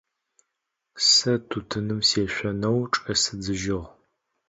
Se tutınır sêşseneu çç'esıdzıjığ.